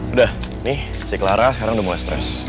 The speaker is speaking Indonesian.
udah nih si clara sekarang udah mulai stres